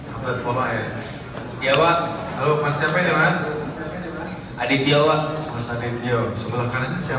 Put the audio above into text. atlet pola ya iya pak halo mas siapa ini mas aditya pak mas aditya sebelah kanannya siapa